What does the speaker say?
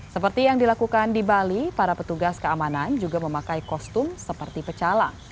seperti yang dilakukan di bali para petugas keamanan juga memakai kostum seperti pecalang